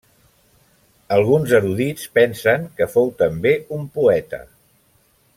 Alguns erudits pensen que fou també un poeta.